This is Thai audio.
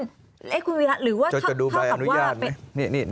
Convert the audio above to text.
คุณวิรัติหรือว่าถ้าเข้ากับว่าจะดูใบอนุญาตไหม